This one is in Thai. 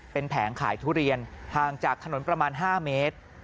เป็นแผงขายทุเรียนห่างจากถนนประมาณ๕เมตร